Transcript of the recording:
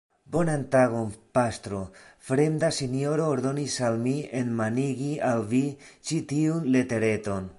Bonan tagon, pastro; fremda sinjoro ordonis al mi enmanigi al vi ĉi tiun letereton.